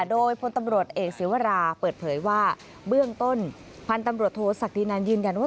โดยพลตำรวจเอกศิวราเปิดเผยว่าเบื้องต้นพันธุ์ตำรวจโทษศักดินันยืนยันว่า